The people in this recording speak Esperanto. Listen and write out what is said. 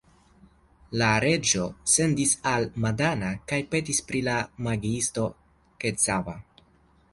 La reĝo sendis al Madana kaj petis pri la magiisto Kecava.